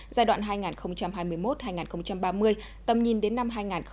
giai đoạn hai nghìn hai mươi một hai nghìn ba mươi tầm nhìn đến năm hai nghìn năm mươi